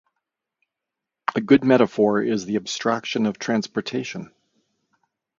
A good metaphor is the abstraction of transportation.